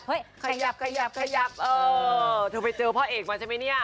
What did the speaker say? เออเธอไปเจอพ่อเอกมาใช่มั้ยเนี่ย